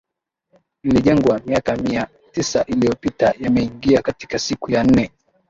lilijengwa miaka mia tisa iliyopita yameingia katika siku ya nne